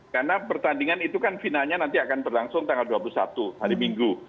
karena pertandingan itu kan finalnya nanti akan berlangsung tanggal dua puluh satu hari minggu